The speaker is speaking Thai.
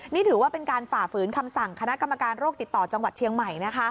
นี่ถือว่าเป็นการฝ่าฝืนคำสั่งคณะกรรมการโรคติดต่อจังหวัดเชียงใหม่